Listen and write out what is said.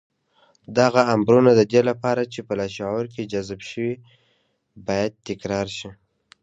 دغه امرونه د دې لپاره چې په لاشعور کې جذب شي بايد تکرار شي.